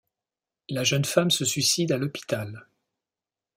La jeune femme se suicide à l’hôpital.